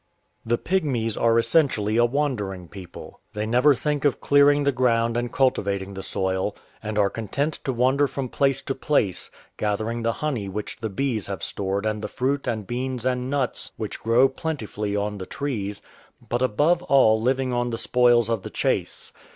The Pygmies are essentially a wandering people. They never think of clearing the ground and cultivating the soil, and are content to wander from place to place, gath ering the honey which the bees have stored and the fruit and beans and nuts which grow plentifully on the trees, but above all living on the spoils of the chase.